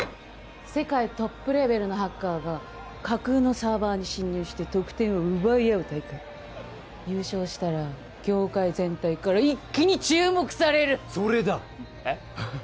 世界トップレベルのハッカーが架空のサーバーに侵入して得点を奪い合う大会優勝したら業界全体から一気に注目されるそれだえっ？